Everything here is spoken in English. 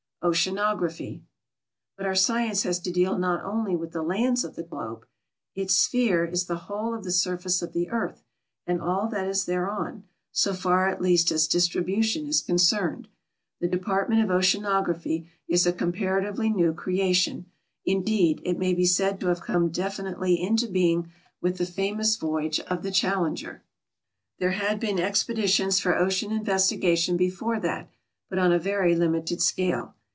OCEANOGRAPHY But our science has to deal not only with the lands of the globe ; its sphere is the whole of the surface of the eartli and all that is thereon, so far at least as distribution is concerne<l. The department of oceanography is a comparatively new creation : in 266 THE COMPASS IN MODERN NA VIGATION deed, it may be said to have come definitely into being with the famous voyage of the Challenger. There had been expeditions for ocean investigation before that, but on a very limited scale.